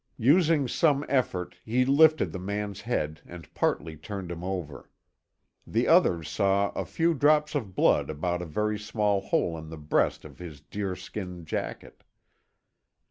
Using some effort, he lifted the man's head and partly turned him over. The others saw a few drops of blood about a very small hole in the breast of his deerskin jacket.